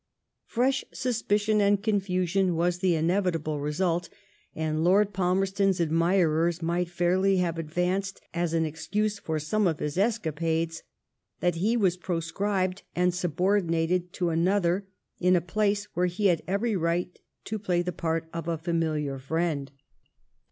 Fresh suspicion and confusion was the inevitable result; and Lord Palmerston's admirers might fairly have advanced as an excuse for some of his escapades, that he was proscribed and subordinated to another, in a place where he had every right to play the part of a familiar friend.